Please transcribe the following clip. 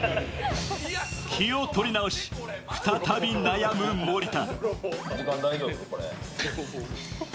気を取り直し、再び悩む森田。